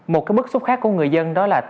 một cái bức xúc khác của người dân đó là